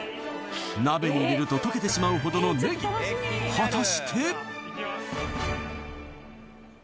鍋に入れると溶けてしまうほどのねぎ果たしていきます